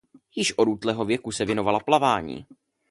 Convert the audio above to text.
Již od útlého věku se věnovala plavání.